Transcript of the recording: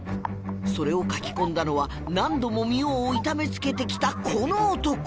それを書き込んだのは何度も澪を痛めつけてきたこの男